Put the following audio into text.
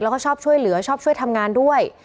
แล้วก็ชอบช่วยเหลือชอบช่วยทำงานด้วย